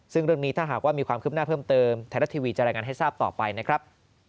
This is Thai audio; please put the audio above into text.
ซึ่งเรื่องนี้ถ้าหากว่ามีความคืบหน้าเพิ่มเติมไทยรัฐทีวีจะรายงานให้ทราบต่อไปนะครับ